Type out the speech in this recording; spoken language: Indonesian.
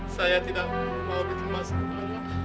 saya tidak mau bikin masalah